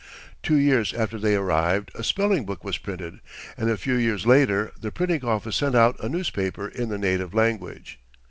Two years after they arrived a spelling book was printed, and a few years later the printing office sent out a newspaper in the native language.